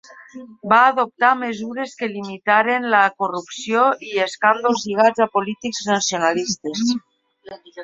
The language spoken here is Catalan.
Va adoptar mesures que limitaren la corrupció i escàndols lligats a polítics nacionalistes.